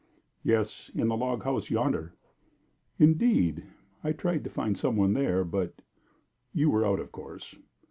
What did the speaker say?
"Yes. In the log house yonder." "Indeed! I tried to find some one there, but you were out, of course.